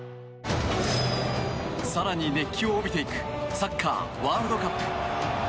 更に熱気を帯びていくサッカーワールドカップ。